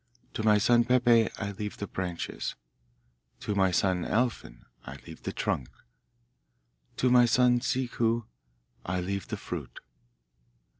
To my son Peppe I leave the branches. To my son Alfin I leave the trunk. To my son Ciccu I leave the fruit.